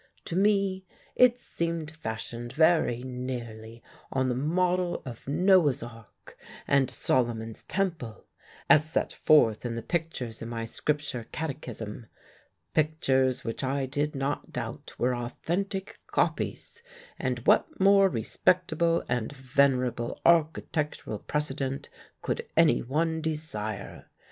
To me it seemed fashioned very nearly on the model of Noah's ark and Solomon's temple, as set forth in the pictures in my Scripture Catechism pictures which I did not doubt were authentic copies; and what more respectable and venerable architectural precedent could any one desire?